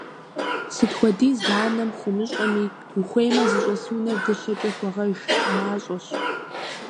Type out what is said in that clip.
Сыт хуэдиз анэм хуумыщӀэми, ухуеймэ зыщӀэс унэр дыщэкӀэ хуэгъэж – мащӀэщ.